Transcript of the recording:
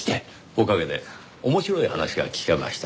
おかげで面白い話が聞けました。